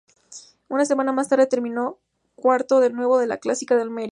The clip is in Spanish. Unas semanas más tarde, terminó cuarto de nuevo en la Clásica de Almería.